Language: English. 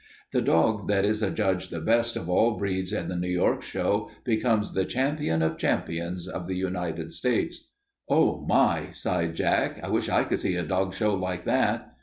The dog that is adjudged the best of all breeds at the New York show becomes the champion of champions of the United States." "Oh, my!" sighed Jack, "I wish I could see a dog show like that."